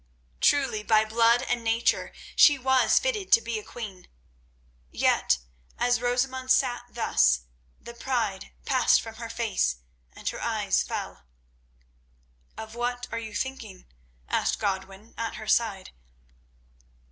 Truly by blood and nature she was fitted to be a queen. Yet as Rosamund sat thus the pride passed from her face, and her eyes fell. "Of what are you thinking?" asked Godwin at her side.